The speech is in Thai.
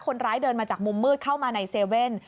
คนร้ายเดินมาจากมุมมืดเข้ามาใน๗๑๑